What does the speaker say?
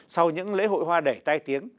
sau những lễ hội hoa đẩy tai tiếng